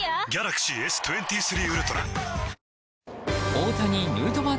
大谷・ヌートバー